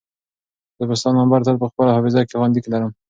زه به ستا نمبر تل په خپل حافظه کې خوندي لرم.